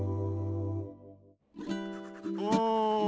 うん。